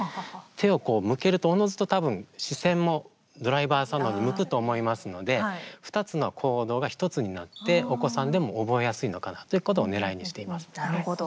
手を向けると、おのずとたぶん視線もドライバーさんのほうに向くと思いますので２つの行動が１つになってお子さんでも覚えやすいのかなということをねらいにしています。